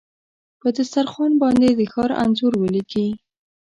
په دسترخوان باندې د ښار انځور ولیکې